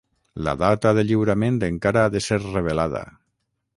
La data de lliurament encara ha de ser revelada.